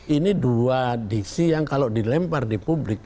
ini dua diksi yang kalau dilempar di publik